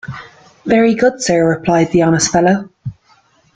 "Very good, sir," replied the honest fellow.